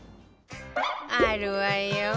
あるわよ